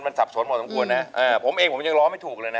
มันสับสนพอสมควรนะอ่าผมเองผมยังร้องไม่ถูกเลยนะ